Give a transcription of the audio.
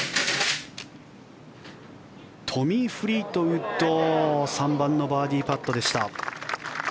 トミー・フリートウッド３番のバーディーパットでした。